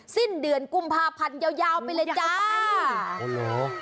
สิ้นเดือนกุมภาพันธ์ยาวไปเลยจ้าโอ้โหยังไงต้อง